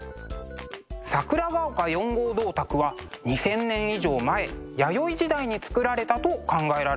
「桜ヶ丘４号銅鐸」は２，０００年以上前弥生時代に作られたと考えられています。